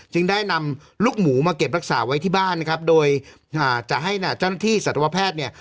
จึงได้นำลูกหมูมาเก็บรักษาไว้ที่บ้านนะครับโดยอ่าจะให้น่ะเจ้าหน้าที่สัตวแพทย์เนี่ย